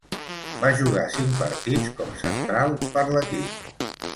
Va jugar cinc partits com central per l"equip.